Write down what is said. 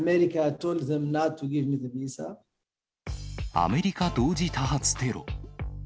アメリカ同時多発テロ。